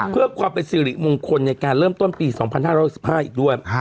เพื่อความเป็นสิริมงคลในการเริ่มต้นปี๒๕๖๕อีกด้วย